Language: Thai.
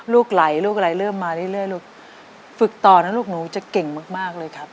ลูกไหลลูกอะไรเริ่มมาเรื่อยลูกฝึกต่อนะลูกหนูจะเก่งมากมากเลยครับ